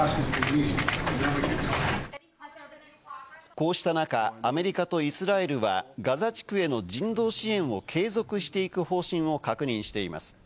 こうした中、アメリカとイスラエルは、ガザ地区への人道支援を継続していく方針を確認しています。